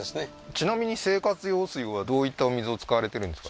ちなみに生活用水はどういったお水を使われてるんですか？